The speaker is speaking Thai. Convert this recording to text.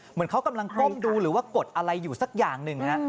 เหมือนเขากำลังก้มดูหรือว่ากดอะไรอยู่สักอย่างหนึ่ง